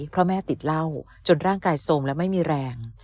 เพราะแม่ติดเหล้าจนร่างกายทรงและไม่มีแรง